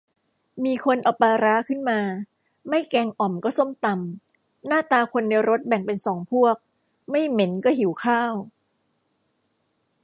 มีคนเอาปลาร้าขึ้นมา ไม่แกงอ่อมก็ส้มตำ หน้าตาคนในรถแบ่งเป็นสองพวก ไม่เหม็นก็หิวข้าว